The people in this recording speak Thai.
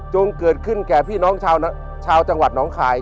เกิดขึ้นแก่พี่น้องชาวจังหวัดน้องคาย